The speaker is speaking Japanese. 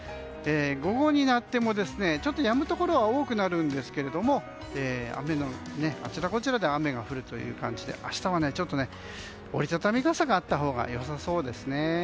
午後になってもちょっとやむところは多くなるんですけれどもあちらこちらで雨が降るという感じで明日は折り畳み傘があったほうが良さそうですね。